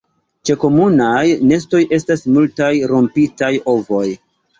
Ĉe komunumaj nestoj estas multaj rompitaj ovoj.